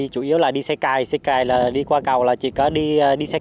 chủ yếu là đi xe cài đi qua cầu là chỉ có đi xe cài